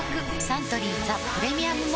サントリー「ザ・プレミアム・モルツ」